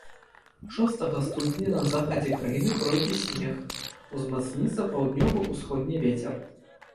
Шостага студзеня на захадзе краіны пройдзе снег, узмацніцца паўднёва-ўсходні вецер.